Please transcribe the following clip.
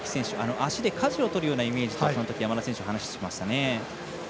足でかじを取るようなイメージと山田選手は話をしていました。